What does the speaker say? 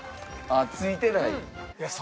ああついてない？